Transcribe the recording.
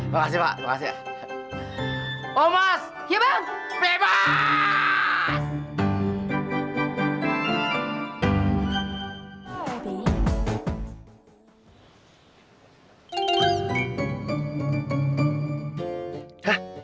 juga sih omas makasih pak omas bebas